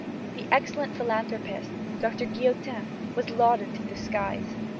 The excellent philanthropist, Doctor Guillotin, was lauded to the skies.